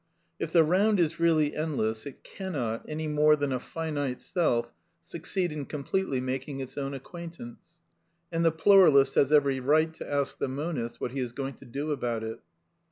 If the round is really endless, it cannot, any more than a finite self, succeed in completely making its own ac quaintance. And the pluralist has every right to ask the monist what he is going to do about it.